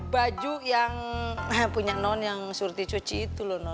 baju yang punya non yang surti cuci itu loh